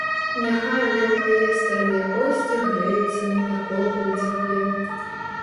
Няхай ужо мае старыя косці грэюцца на пяколку ў цяпле!